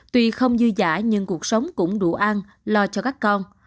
tuy không dư giã nhưng cuộc sống cũng đủ ăn lo cho các con